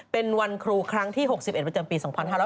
เป็นวันครูครั้งที่๖๑ประจำปี๒๕๕๙